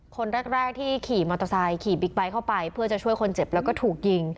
คนแรกที่ขี่มอเตอร์ไซค์ขี่บิ๊กไบท์เข้าไปเพื่อจะช่วยคนเจ็บแล้วก็ถูกยิง